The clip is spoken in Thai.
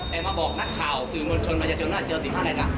แต่มาบอกนักข่าวสื่อมวลชนมันจะเจอ๑๕นาฬิกา